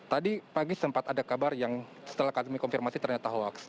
tadi pagi sempat ada kabar yang setelah kami konfirmasi ternyata hoaks